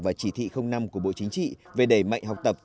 và chỉ thị năm của bộ chính trị về đẩy mạnh học tập